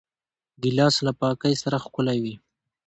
ګیلاس له پاکۍ سره ښکلی وي.